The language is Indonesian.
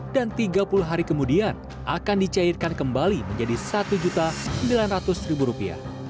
dan tiga puluh hari kemudian akan dicairkan kembali menjadi satu sembilan ratus rupiah